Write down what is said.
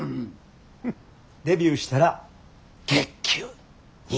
デビューしたら月給２０円や。